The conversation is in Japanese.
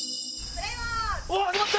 始まった！